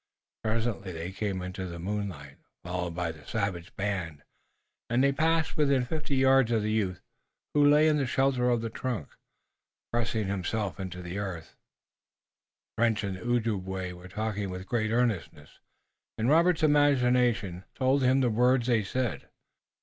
Presently they came into the moonlight, followed by the savage band, and they passed within fifty yards of the youth who lay in the shelter of the trunk, pressing himself into the earth. The Frenchman and the Ojibway were talking with great earnestness and Robert's imagination, plumbing the distance, told him the words they said.